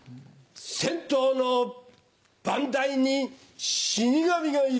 銭湯の番台に死神がいる。